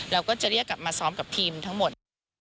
เราก็จะเรียกกลับมาซ้อมกับทีมทั้งหมด